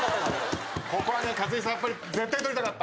ここはね勝地さんやっぱり絶対取りたかった？